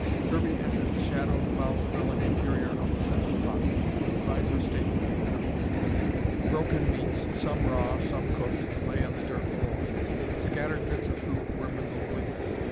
Kirby entered the shadowed, foul smelling interior of the central hut to find her statement true. Broken meats, some raw, some cooked, lay on the dirt floor, and scattered bits of fruit were mingled with them.